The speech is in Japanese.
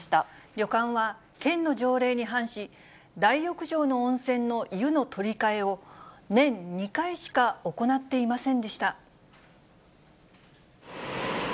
旅館は、県の条例に反し、大浴場の温泉の湯の取り替えを、年２回しか行っていませんでした。